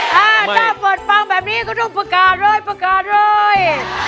ถ้าเปิดฟังแบบนี้ก็ต้องประกาศเลยประกาศเลย